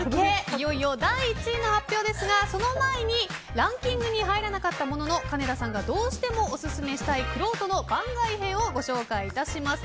いよいよ第１位の発表ですがその前にランキングに入らなかったもののかねださんがどうしてもオススメしたいくろうとの番外編をご紹介いたします。